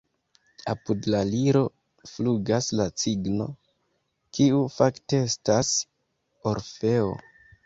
Apud la liro flugas la Cigno, kiu fakte estas Orfeo.